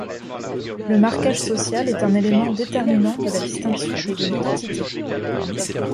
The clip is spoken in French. Le marquage social est un élément déterminant de la distinction et de l'identité.